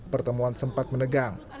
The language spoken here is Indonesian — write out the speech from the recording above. pertemuan sempat menegang